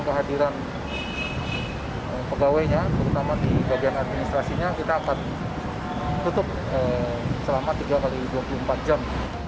kehadiran pegawainya terutama di bagian administrasinya kita akan tutup selama tiga x dua puluh empat jam